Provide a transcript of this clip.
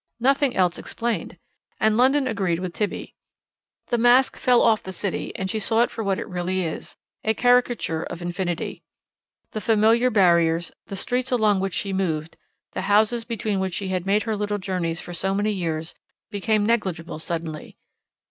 Nothing else explained. And London agreed with Tibby. The mask fell off the city, and she saw it for what it really is a caricature of infinity. The familiar barriers, the streets along which she moved, the houses between which she had made her little journeys for so many years, became negligible suddenly.